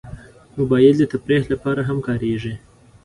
موبایل د تفریح لپاره هم کارېږي.